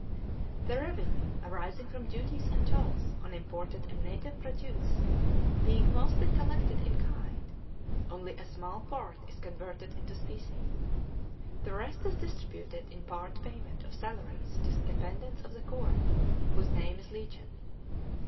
The revenue arising from duties and tolls on imported and native produce being mostly collected in kind, only a small part is converted into specie; the rest is distributed in part payment of salaries to the dependants of the court, whose name is legion.